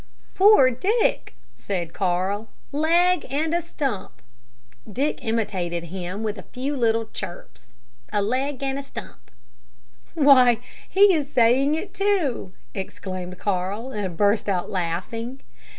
"Poor Dick!" said Carl, "leg and a stump!" Dick imitated him in a few little chirps, "A leg and a stump!" "Why, he is saying it too," exclaimed Carl, and burst out laughing.